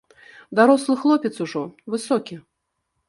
Дарослы хлопец ужо, высокі.